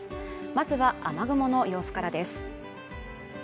まずは雨雲の様子からです